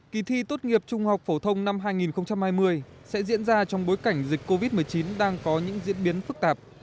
kỳ thi tốt nghiệp trung học phổ thông năm hai nghìn hai mươi sẽ diễn ra trong bối cảnh dịch covid một mươi chín đang có những diễn biến phức tạp